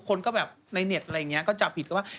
คนก็แบบในเน็ตอะไรอย่างนี้ก็จับผิดก็ว่า